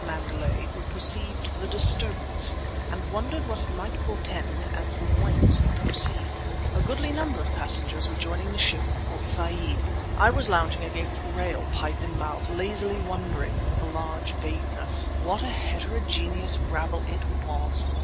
Mandalay who perceived the disturbance and wondered what it might portend and from whence proceed. A goodly number of passengers were joining the ship at Port Said. I was lounging against the rail, pipe in mouth, lazily wondering, with a large vagueness. What a heterogeneous rabble it was!